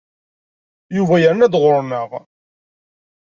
Yuba yerna-d ɣur-neɣ.